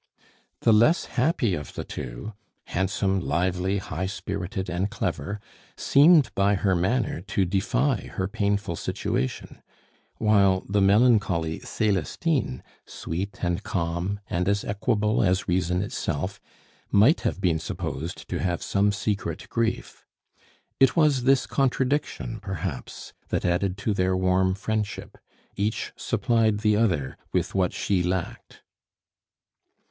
The less happy of the two, handsome, lively, high spirited, and clever, seemed by her manner to defy her painful situation; while the melancholy Celestine, sweet and calm, and as equable as reason itself, might have been supposed to have some secret grief. It was this contradiction, perhaps, that added to their warm friendship. Each supplied the other with what she lacked.